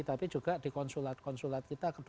tapi juga di konsulat konsulat kita